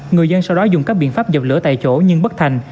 người dân sau đó dùng các biện pháp dập lửa tại chỗ nhưng bất thành